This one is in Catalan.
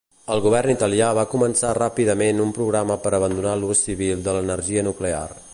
El govern italià va començar ràpidament un programa per abandonar l'ús civil de l'energia nuclear.